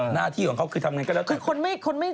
หน้าที่ของเขาคือทำไงก็แล้วแต่